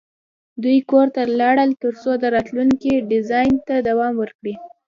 دوی کور ته لاړل ترڅو د راتلونکي ډیزاین ته دوام ورکړي